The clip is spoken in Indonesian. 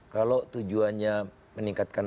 kalau tujuannya meningkatkan